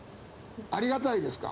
ありがたいですか。